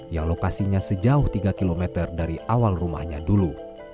yang lokasinya sejauh tiga km dari awal rumahnya dulu